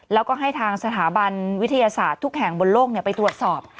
แล้วก็ให้ทางสถาบันวิทยาศาสตร์ทุกแห่งบนโลกไปตรวจสอบ